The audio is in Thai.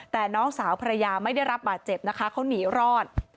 แต่น้องสาวภรรยาไม่ได้รับบาดเจ็บนะคะเขาหนีรอด